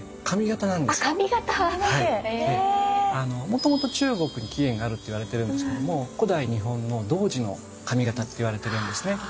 もともと中国に起源があるっていわれてるんですけども古代日本の童子の髪形っていわれてるんですね。